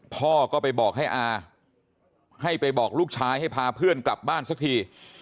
พ่อก็ไปบอกให้อาให้ไปบอกลูกชายให้พาเพื่อนกลับบ้านสักที